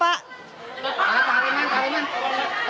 pak haliman pak haliman